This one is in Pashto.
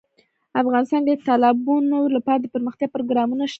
افغانستان کې د تالابونه لپاره دپرمختیا پروګرامونه شته.